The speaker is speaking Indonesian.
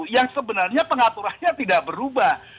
yang sebenarnya pengaturannya tidak berubah